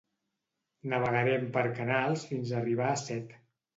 Navegarem per canals fins arribar a Sète